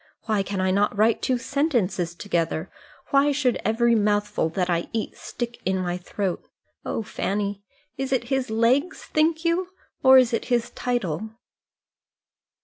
Why can I not write two sentences together? Why should every mouthful that I eat stick in my throat? Oh, Fanny, is it his legs, think you, or is it his title?"